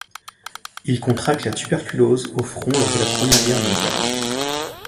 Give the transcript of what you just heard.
Il contracte la tuberculose au front lors de la Première Guerre mondiale.